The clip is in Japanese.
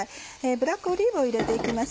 ブラックオリーブを入れて行きます。